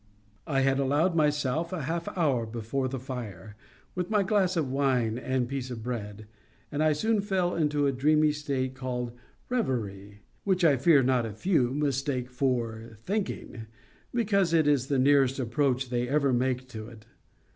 I had allowed myself a half hour before the fire with my glass of wine and piece of bread, and I soon fell into a dreamy state called REVERIE, which I fear not a few mistake for THINKING, because it is the nearest approach they ever make to it.